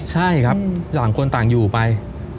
ใช่ครับต่างคนต่างอยู่ไป